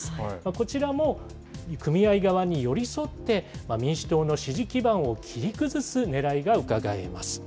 こちらも、組合側に寄り添って、民主党の支持基盤を切り崩すねらいがうかがえます。